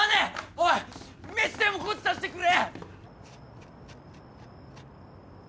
おい飯でもゴチさせてくれ！